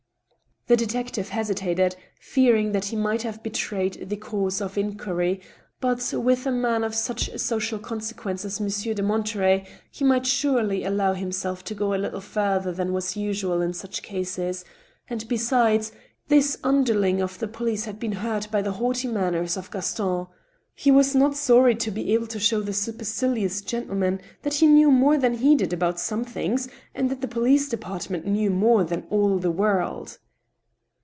The detective hesitated, fearing that he might have betrayed the course of inquiry, but, with a man of such social consequence as Monsieur de Monterey, he might surely allow himself to go a little further than was usual in such cases ; and, besides, this underling of the police had been hurt by the haughty manners of Gaston. He was not sorry to be able to show ^e supercilious gentleman that he knew more than he did about some things, and that the police de partment knew more than all the world.